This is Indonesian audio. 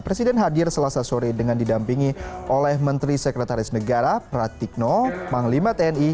presiden hadir selasa sore dengan didampingi oleh menteri sekretaris negara pratikno panglima tni